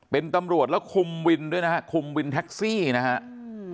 เป็นตำรวจแล้วคุมวินด้วยนะฮะคุมวินแท็กซี่นะฮะอืม